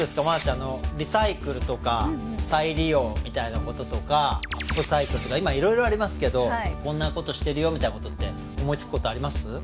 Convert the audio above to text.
真奈ちゃんリサイクルとか再利用みたいなこととかアップサイクルとか今色々ありますけどこんなことしてるよみたいなことって思いつくことあります？